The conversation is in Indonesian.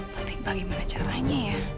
tapi bagaimana caranya ya